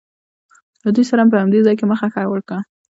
له دوی سره مې په همدې ځای کې مخه ښه وکړ.